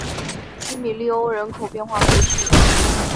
基米利欧人口变化图示